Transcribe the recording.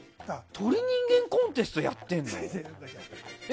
「鳥人間コンテスト」やってるの？